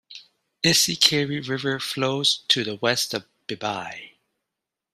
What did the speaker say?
Ishikari River flows to west of Bibai.